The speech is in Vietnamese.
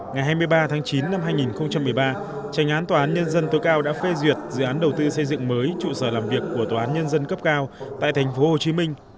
ngày hai mươi ba tháng chín năm hai nghìn một mươi ba tranh án tòa án nhân dân tối cao đã phê duyệt dự án đầu tư xây dựng mới trụ sở làm việc của tòa án nhân dân cấp cao tại tp hcm